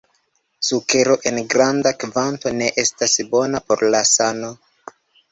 Sukero en granda kvanto ne estas bona por la sano.